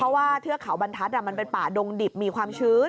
เพราะว่าเทือกเขาบรรทัศน์มันเป็นป่าดงดิบมีความชื้น